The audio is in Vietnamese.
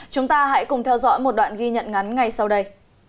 chúng ta hãy cùng theo dõi một đoạn ghi nhận ngắn ngay sau đây